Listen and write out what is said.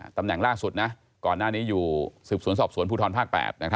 ตำแหน่งล่าสุดนะก่อนหน้านี้อยู่สืบสวนสอบสวนภูทรภาค๘